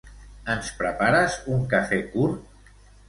Ens prepares un cafè curt?